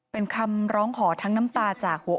เป็นคำร้องขอทั้งน้ำตาจากหัว